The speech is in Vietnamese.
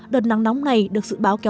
đợt nắng nóng này được dự báo kéo dài